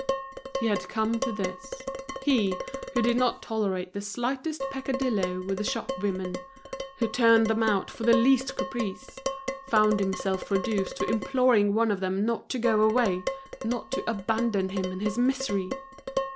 He had come to this. He, who did not tolerate the slightest peccadillo with the shopwomen, who turned them out for the least caprice, found himself reduced to imploring one of them not to go away, not to abandon him in his misery.